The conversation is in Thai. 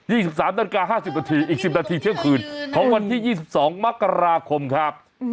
๒๓๕๐อีก๑๐นาทีเที่ยงคืนของวันที่๒๒มกราคมครับ